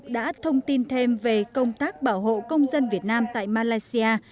đã thông tin thêm về công tác bảo hộ công dân việt nam tại malaysia